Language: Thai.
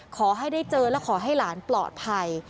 ขอให้ได้เจอและขอให้หลานปลอดภัย